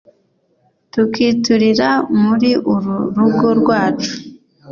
tukiturira muri uru rugo rwacu